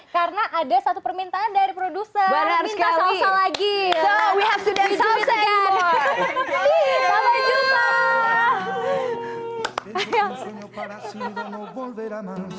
karena ada satu permintaan dari produser